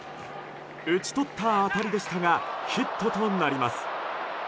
打ち取った当たりでしたがヒットとなります。